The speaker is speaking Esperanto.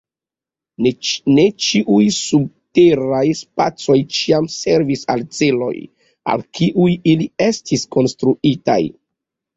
Ne ĉiuj subteraj spacoj ĉiam servis al celoj, al kiuj ili estis konstruitaj.